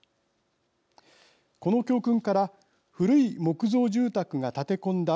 この教訓から古い木造住宅が立て込んだ